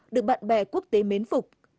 được bạn bè quốc tế mến phục